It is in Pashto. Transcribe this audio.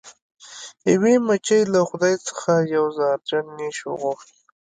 یوې مچۍ له خدای څخه یو زهرجن نیش وغوښت.